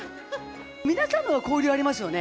皆さんのほうが交流ありますよね？